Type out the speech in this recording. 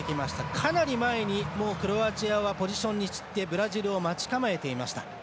かなり前にクロアチアはポジションに散ってブラジルを待ち構えていました。